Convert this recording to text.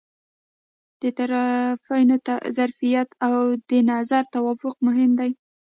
د طرفینو ظرفیت او د نظر توافق مهم دي.